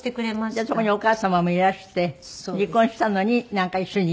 じゃあそこにお母様もいらして離婚したのになんか一緒にいるような感じで。